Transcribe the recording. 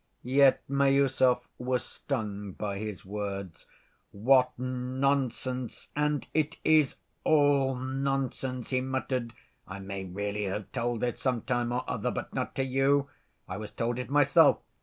Yet Miüsov was stung by his words. "What nonsense, and it is all nonsense," he muttered. "I may really have told it, some time or other ... but not to you. I was told it myself.